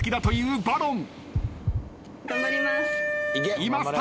頑張ります。